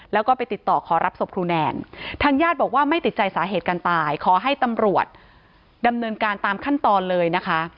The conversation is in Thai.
แล้วก็ไปติดต่อขอรับศพครูแนนทางญาติบอกว่าไม่ติดใจสาเหตุการตายขอให้ตำรวจดำเนินการตามขั้นตอนเลยนะคะ